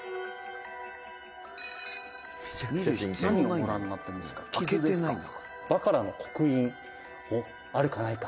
「何をご覧になってるんですか？傷ですか？」